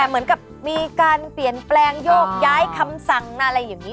เหมือนกับมีการเปลี่ยนแปลงโยกย้ายคำสั่งอะไรอย่างนี้